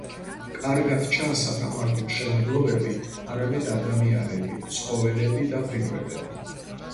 კარგად ჩანს არა მარტო მშენებლობები, არამედ ადამიანები, ცხოველები და ფრინველები.